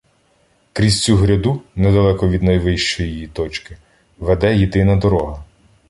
Крізь цю гряду, недалеко від найвищої її точки, веде єдина дорога.